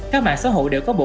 các mạng xã hội đều có bộ quyền